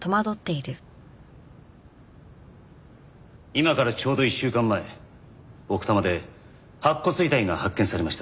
今からちょうど１週間前奥多摩で白骨遺体が発見されました。